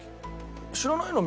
知らないの？